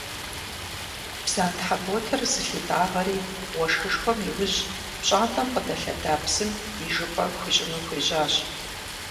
Бдзантхьэ ботэр зылъитӏагъэри уэшхышхуэм иужь пщӏантӏэм къыдэлъэда псым ижыпӏэ хуищӏыну хуежьащ.